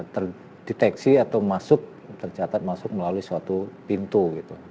terdeteksi atau masuk tercatat masuk melalui suatu pintu gitu